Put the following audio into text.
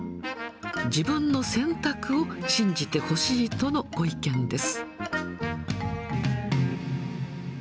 自分の選択を信じてほしいとのご意見です。